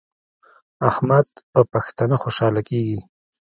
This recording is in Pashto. احمد په پښتنه خوشحاله کیږي.